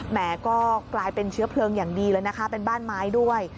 แหมก็กลายเป็นเชื้อเพลิงอย่างดีเลยนะคะเป็นบ้านไม้ด้วย